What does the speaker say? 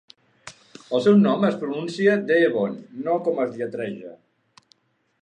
El seu nom es pronuncia "Deevon", "no" com es lletreja.